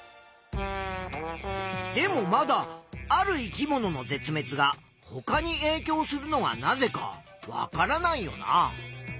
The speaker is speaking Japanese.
でもまだある生き物の絶滅がほかにえいきょうするのはなぜかわからないよな？